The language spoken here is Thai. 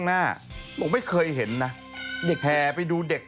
ไอ้ขวัญมันไปตรงกลางแล้วมันอยู่อย่างนี้